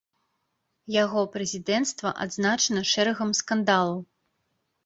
Яго прэзідэнцтва адзначана шэрагам скандалаў.